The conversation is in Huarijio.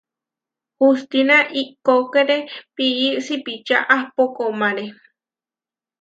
Hustina ihkókere pií sipičá ahpó komáre.